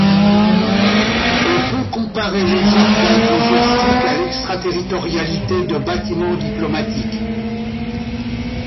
On peut comparer l'exarchat ecclésiastique à l'extra-territorialité de bâtiments diplomatiques.